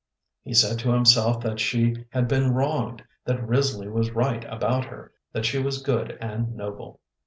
He said to himself that she had been wronged, that Risley was right about her, that she was good and noble.